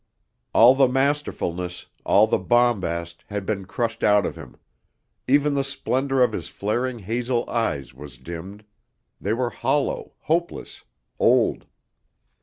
All the masterfulness, all the bombast, had been crushed out of him; even the splendor of his flaring hazel eyes was dimmed they were hollow, hopeless, old.